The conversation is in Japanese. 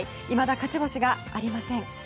いまだ勝ち星がありません。